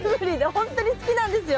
ほんとに好きなんですよ。